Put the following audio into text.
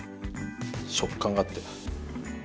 食感があって。